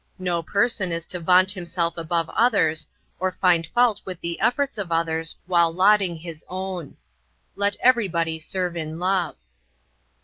No person is to vaunt himself above others or find fault with the efforts of others while lauding his own. Let everybody serve in love."